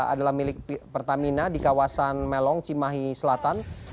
adalah milik pertamina di kawasan melong cimahi selatan